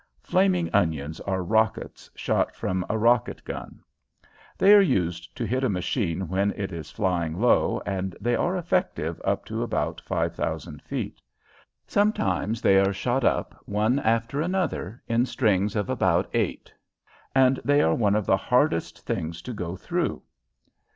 "Flaming onions" are rockets shot from a rocket gun. They are used to hit a machine when it is flying low and they are effective up to about five thousand feet. Sometimes they are shot up one after another in strings of about eight, and they are one of the hardest things to go through.